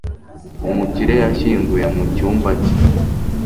Umukire yashyinguwe mu cyumba cye